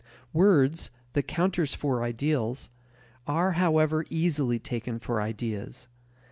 Words, the counters for ideals, are, however, easily taken for ideas.